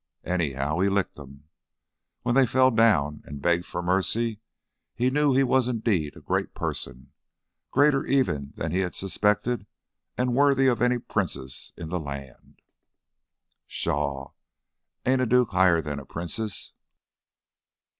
Anyhow, he licked 'em. When they fell down and begged for mercy he knew he was indeed a great person greater even than he had suspected and worthy of any princess in the land." "Pshaw! Ain't a duke higher than a princess?"